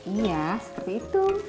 iya seperti itu